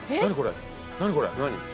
何これ！